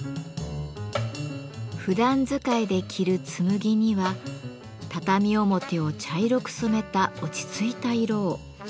ふだん使いで着る紬には畳表を茶色く染めた落ち着いた色を。